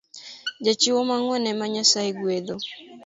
Jachiwo mang’uon ema Nyasaye gwedho